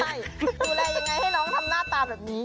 ดูแลอย่างไรให้น้องทำหน้าตาแบบนี้